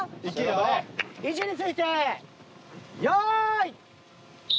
位置についてよい。